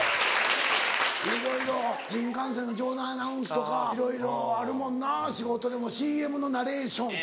いろいろ新幹線の場内アナウンスとかいろいろあるもんな仕事でもＣＭのナレーション。